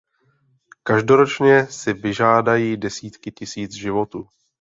Každoročně si vyžádají desítky tisíc životů.